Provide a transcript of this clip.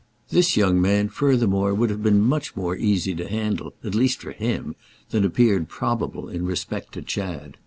This young man furthermore would have been much more easy to handle—at least for him—than appeared probable in respect to Chad.